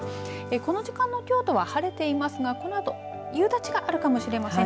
この時間の京都は晴れていますがこのあと夕立があるかもしれません。